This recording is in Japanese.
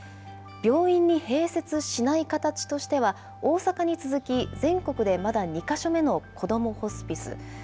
病院に併設しない形としては、大阪に続き、全国でまだ２か所目のこどもホスピス。